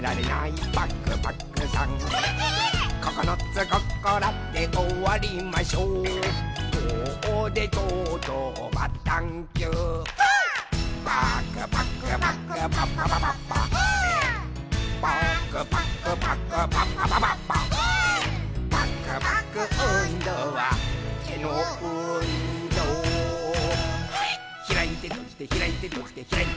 「ひらいてとじてひらいてとじてひらいてひらいてひらいて」